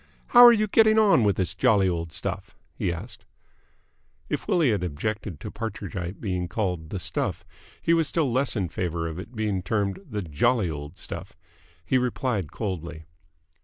"How are you getting on with the jolly old stuff?" he asked. If Willie had objected to Partridgite being called "the stuff," he was still less in favour of its being termed "the jolly old stuff." He replied coldly.